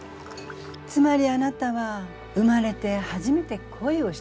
つまりあなたは生まれて初めて恋をしたっていうこと？